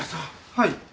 はい。